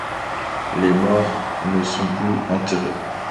Les morts ne sont plus enterrés.